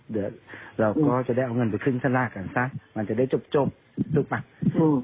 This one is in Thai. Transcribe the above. เดี๋ยวเราก็จะได้เอาเงินไปขึ้นสรรรค์กันซะมันจะได้จบจบถูกปะอืม